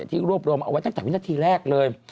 ที่รวบรวมเอาไว้ตั้งแต่วินาทีแรกเลย